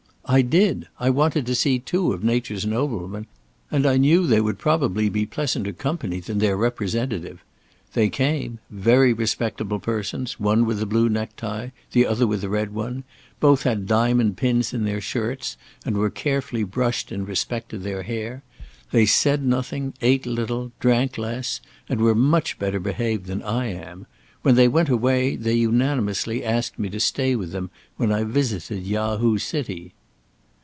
"I did. I wanted to see two of nature's noblemen, and I knew they would probably be pleasanter company than their representative. They came; very respectable persons, one with a blue necktie, the other with a red one: both had diamond pins in their shirts, and were carefully brushed in respect to their hair. They said nothing, ate little, drank less, and were much better behaved than I am. When they went away, they unanimously asked me to stay with them when I visited Yahoo city."